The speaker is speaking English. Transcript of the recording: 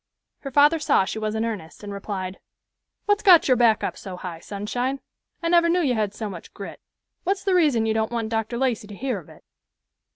Her father saw she was in earnest, and replied, "What's got your back up so high, Sunshine? I never knew you had so much grit. What's the reason you don't want Dr. Lacey to hear of it?"